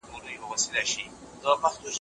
موږ باید خپل هدفونه مشخص کړو.